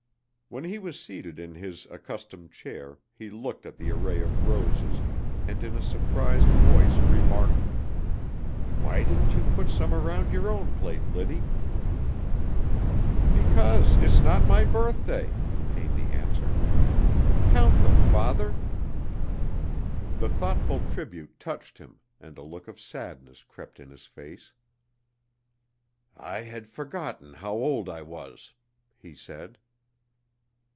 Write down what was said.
When he was seated in his accustomed chair he looked at the array of roses, and in a surprised voice remarked: "Why didn't you put some around your own plate, Liddy?" "Because it's not my birthday," came the answer; "count them, father." The thoughtful tribute touched him, and a look of sadness crept in his face. "I had forgotten how old I was," he said.